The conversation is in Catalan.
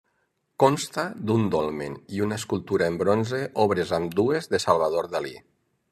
Consta d'un dolmen i una escultura en bronze, obres ambdues de Salvador Dalí.